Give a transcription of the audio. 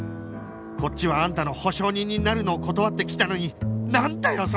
こっちはあんたの保証人になるのを断ってきたのになんだよ